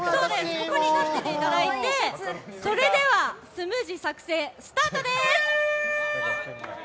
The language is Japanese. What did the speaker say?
ここに立っていただいてそれではスムージー作成スタートです！